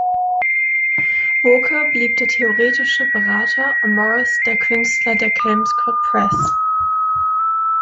Walker blieb der theoretische Berater und Morris der Künstler der "Kelmscott Press".